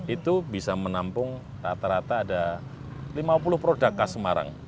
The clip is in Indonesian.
itu bisa menampung rata rata ada lima puluh produk khas semarang